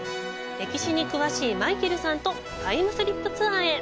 歴史に詳しいマイケルさんとタイムスリップツアーへ！